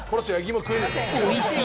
おいしい